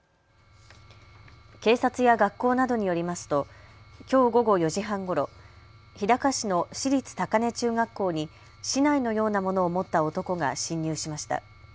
警察や学校などによりますときょう午後４時半ごろ日高市の市立高根中学校に竹刀のようなものを持った男が侵入しました。